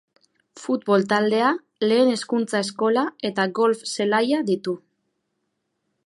Futbol taldea, lehen hezkuntza eskola eta golf zelaia ditu.